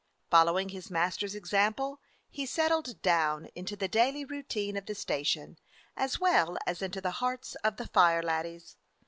Following his master's example, he settled down into the daily routine of the station, as well as into the hearts of the fire laddies.